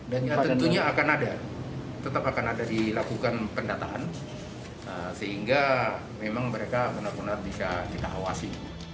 dan tentunya akan ada tetap akan ada dilakukan pendataan sehingga memang mereka benar benar bisa kita awasi